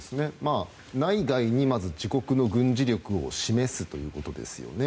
内外にまず自国の軍事力を示すということですよね。